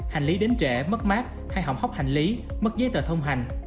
hành lý đến trẻ mất mát hay hỏng hóc hành lý mất giấy tờ thông hành